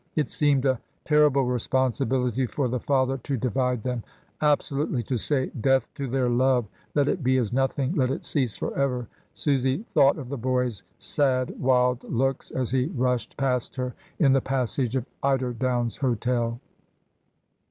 It seemed a terrible responsibility for the father to divide them; absolutely to say, "Death to their love, let it be as nothing, let it cease for ever." Susy thought of the boy's sad wild looks as he rushed past her in the passage of Eiderdown's Hotel.